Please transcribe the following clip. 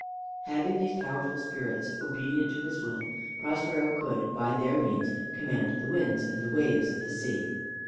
Having these powerful spirits obedient to his will, Prospero could by their means command the winds, and the waves of the sea.